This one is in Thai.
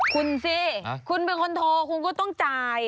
คุณสิคุณเป็นคนโทรคุณก็ต้องจ่าย